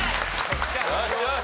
よしよし。